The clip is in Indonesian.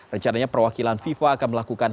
rencananya perwakilan fifa akan melakukan